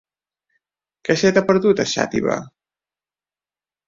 Què se t'hi ha perdut, a Xàtiva?